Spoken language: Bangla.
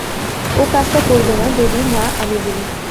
ও কাজটা করবে না যদি না আমি বলি।